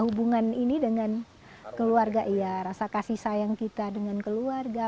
hubungan ini dengan keluarga iya rasa kasih sayang kita dengan keluarga